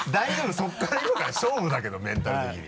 そこから今から勝負だけどメンタル的に。